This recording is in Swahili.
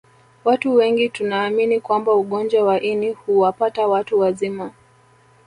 Watu wengi tunaamini kwamba ugonjwa wa ini huwapata watu wazima